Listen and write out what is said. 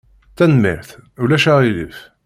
Tanemmirt. Ulac aɣilif.